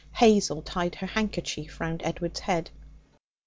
Hazel tied her handkerchief round Edward's head.